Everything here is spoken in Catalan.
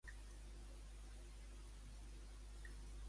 Necessito que enviïs la meva ubicació actual a la Catalina.